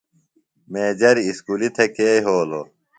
میجر اُسکُلیۡ تھےۡ کے یھولوۡ؟